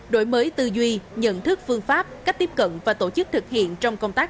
đổi mới tư duy nhận thức phương pháp cách tiếp cận và tổ chức thực hiện trong công tác